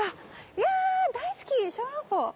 いや大好き小籠包！